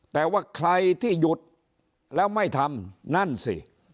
แต่ว่าใครที่หยุดแล้วไม่ทำนั่นสิ